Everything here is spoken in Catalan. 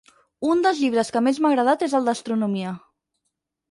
Un dels llibres que més m'ha agradat és el d'astronomia.